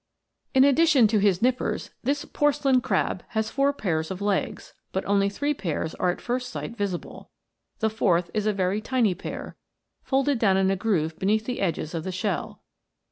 In addition to his nippers this crab has four pairs of legs ; but only three pairs are at first sight visible. The fourth is a very tiny pair, folded down in a groove beneath the edges of the shell.